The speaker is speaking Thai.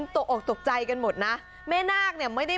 ถ้าใจกันหมดนะแม่นาคไม่ได้